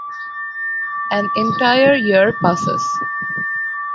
An entire year passes.